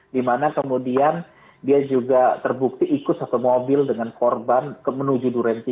di mana kemudian dia juga terbukti ikut satu mobil dengan korban menuju durian tiga